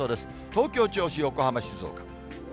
東京、銚子、横浜、静岡。